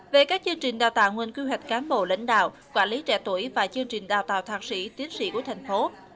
về các chương trình đào tạo nguồn quy hoạch cán bộ lãnh đạo quản lý trẻ tuổi và chương trình đào tạo thạc sĩ tiến sĩ của thành phố